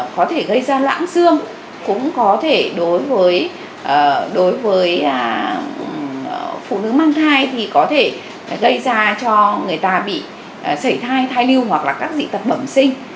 có thể gây ra lãng xương cũng có thể đối với phụ nữ mang thai thì có thể gây ra cho người ta bị sảy thai thai lưu hoặc là các dị tật bẩm sinh